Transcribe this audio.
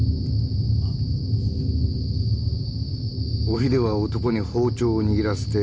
おひでは男に包丁を握らせて。